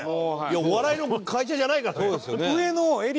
お笑いの会社じゃないから。